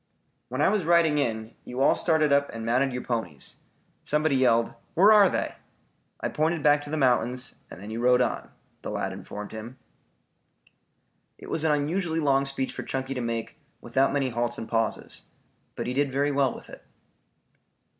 "When I was riding in, you all started up and mounted your ponies. Somebody yelled, 'where are they?' I pointed back to the mountains, and then you rode on," the lad informed him. It was an unusually long speech for Chunky to make without many halts and pauses. But he did very well with it.